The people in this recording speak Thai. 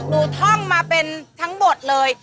หนูท่องมาเป็นทั้งบทเลย